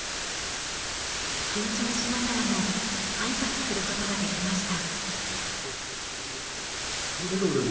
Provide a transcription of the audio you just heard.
緊張しながらも挨拶することができました。